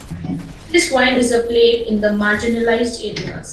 This vine is a plague in the marginalized areas.